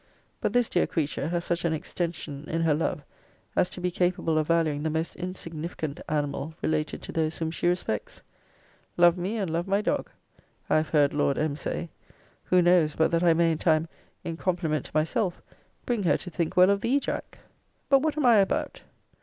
But this dear creature has such an extension in her love, as to be capable of valuing the most insignificant animal related to those whom she respects. Love me, and love my dog, I have heard Lord M. say. Who knows, but that I may in time, in compliment to myself, bring her to think well of thee, Jack? But what am I about?